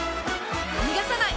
逃がさない！